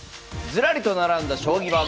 ずらりと並んだ将棋盤。